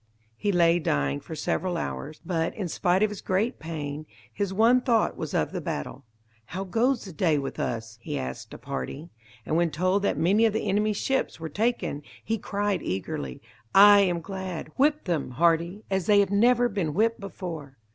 He lay dying for several hours, but, in spite of his great pain, his one thought was of the battle. "How goes the day with us?" he asked of Hardy; and when told that many of the enemies' ships were taken, he cried eagerly, "I am glad. Whip them, Hardy, as they have never been whipped before."